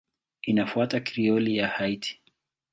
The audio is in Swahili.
Inafuata Krioli ya Haiti.